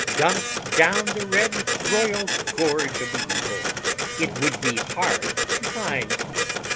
Dumped down the red, royal gorge of the eagle, it would be hard to find."